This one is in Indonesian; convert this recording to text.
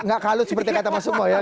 gak kalut seperti kata mas sukmo ya